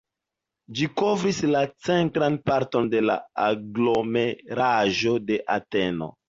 Ĝi kovris la centran parton de la aglomeraĵo de Ateno.